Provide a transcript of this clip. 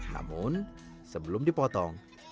namun sebelum dipotong